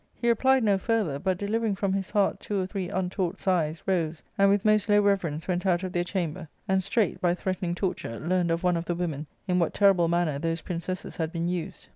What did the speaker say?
He replied no further, but delivering from his heart two or three untaught sighs, rose, and, with most low reverence, went out of their chamber, and straight, by threat ening torture, learned of one of the women in what terrible manner those princesses had been used.